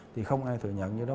thì không ai thừa nhận như đó